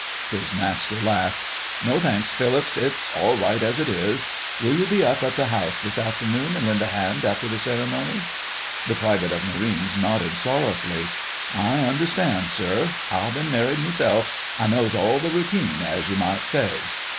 His master laughed. "No, thanks, Phillips; it's all right as it is. Will you be up at the house this afternoon and lend a hand, after the ceremony?" The Private of Marines nodded sorrowfully. "I understands, sir. I bin married meself—I knows all the routine, as you might say."